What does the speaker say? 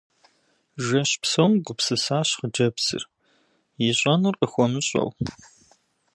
Жэщ псом гупсысащ хъыджэбзыр, ищӀэнур къыхуэмыщӀэу.